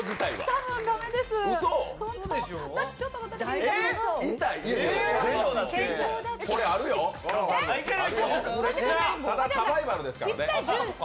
ただ、サバイバルですからね。